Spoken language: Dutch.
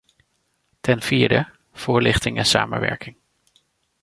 Ten vierde, voorlichting en samenwerking.